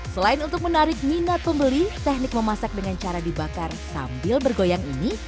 selain untuk menarik minat pembeli teknik memasak dengan cara dibakar sambil bergoyang ini